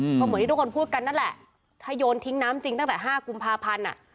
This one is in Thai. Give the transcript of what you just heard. เพราะเหมือนที่ทุกคนพูดกันนั่นแหละถ้าโยนทิ้งน้ำจริงตั้งแต่ห้ากุมภาพันธ์อ่ะ